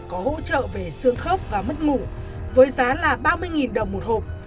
có hỗ trợ về xương khớp và mất ngủ với giá là ba mươi đồng một hộp